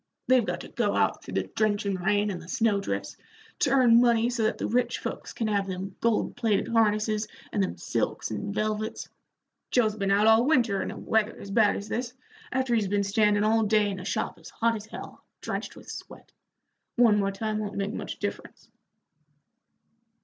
They've got to go out through the drenchin' rain and the snow drifts, to earn money so that the rich folks can have them gold plated harnesses and them silks and velvets. Joe's been out all winter in weather as bad as this, after he's been standin' all day in a shop as hot as hell, drenched with sweat. One more time won't make much difference."